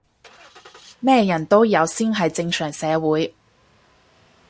咩人都有先係正常社會